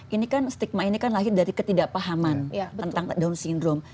ini kan stigma ini kan lahir dari ketidakpahaman tentang down syndrome